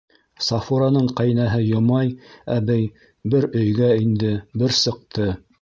Сафураның ҡәйнәһе Йомай әбей бер өйгә инде, бер сыҡты.